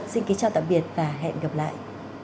xin kính chào tạm biệt và hẹn gặp lại